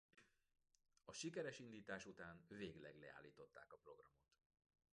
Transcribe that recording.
A sikeres indítás után végleg leállították a programot.